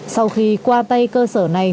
sau khi qua tay cơ sở này